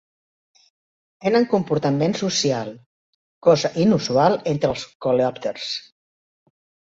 Tenen comportament social, cosa inusual entre els coleòpters.